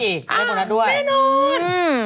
พี่แม่นอน